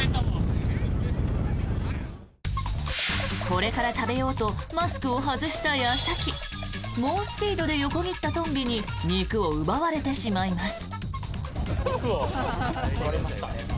これから食べようとマスクを外した矢先猛スピードで横切ったトンビに肉を奪われてしまいます。